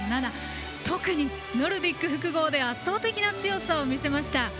特に、ノルディック複合で圧倒的な強さを見せました。